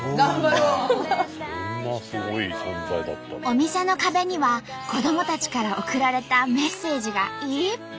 お店の壁には子どもたちからおくられたメッセージがいっぱい！